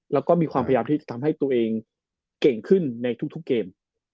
แล้วก็มีความพยายามที่จะทำให้ตัวเองเก่งขึ้นในทุกเกม